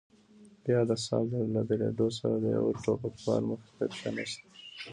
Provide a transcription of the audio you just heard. بيا د ساز له درېدو سره د يوه ټوپکوال مخې ته کښېناست.